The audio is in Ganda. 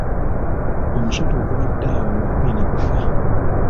Omusota ogubadde awo ngukubye ne gufa.